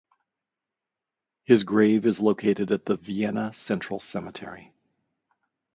His grave is located at the Vienna Central Cemetery.